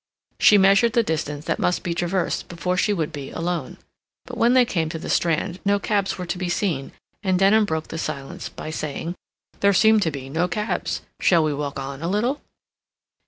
She measured the distance that must be traversed before she would be alone. But when they came to the Strand no cabs were to be seen, and Denham broke the silence by saying: "There seem to be no cabs. Shall we walk on a little?"